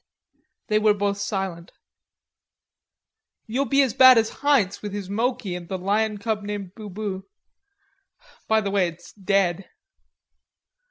They were both silent. "You'll be as bad as Heinz with his Moki and the lion cub named Bubu.... By the way, it's dead....